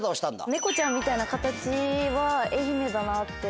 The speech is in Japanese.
ねこちゃんみたいな形は愛媛だなぁって。